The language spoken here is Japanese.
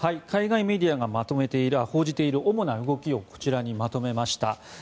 海外メディアが報じている主な動きをこちらにまとめました。